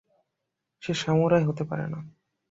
সে samurai হতে পারে না!